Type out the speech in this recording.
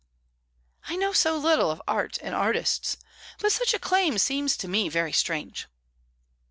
"I know so little of art and artists. But such a claim seems to me very strange."